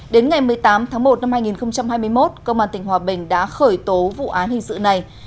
đến ngày một mươi tám tháng một năm hai nghìn hai mươi một công an tỉnh hòa bình đã khởi tố vụ án hình sự này